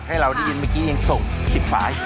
ให้เราได้ยินเมื่อกี้ยังส่ง๑๐หมาย